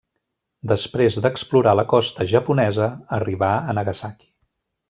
Després d'explorar la costa japonesa, arribà a Nagasaki.